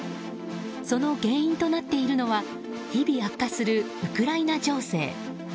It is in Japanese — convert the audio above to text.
その原因となっているのは日々悪化するウクライナ情勢。